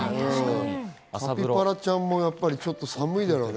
カピバラちゃんもちょっと寒いだろうね。